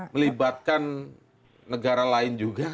melibatkan negara lain juga